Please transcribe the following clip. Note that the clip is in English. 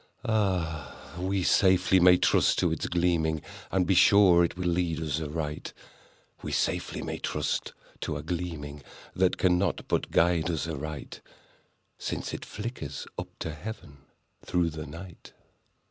Ah, we safely may trust to its gleaming, And be sure it will lead us aright— We safely may trust to a gleaming That cannot but guide us aright, Since it flickers up to Heaven through the night."